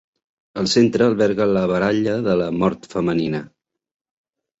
El centre alberga la baralla de la mort femenina.